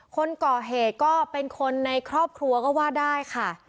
คนก่อเหตุก็เป็นคนในครอบครัวก็ว่าได้ค่ะ